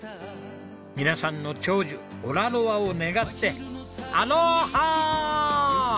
皆さんの長寿オラロアを願ってアローハー！